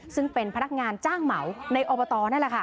ซึ่งเป็นพนักงานจ้างเหมาในอบตนั่นแหละค่ะ